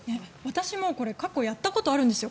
私も、過去やったことがあるんですよ。